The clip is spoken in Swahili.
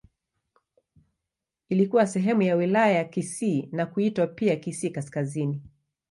Ilikuwa sehemu ya Wilaya ya Kisii na kuitwa pia Kisii Kaskazini.